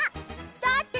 だって。